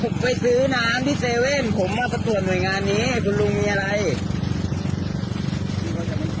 ผมไปซื้อน้ำที่เซเว่นผมมาประกวดหน่วยงานนี้คุณลุงมีอะไร